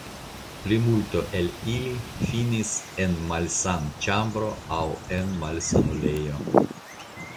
Plimulto el ili finis en malsanĉambro aŭ en malsanulejo.